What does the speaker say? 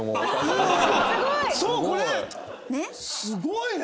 すごい！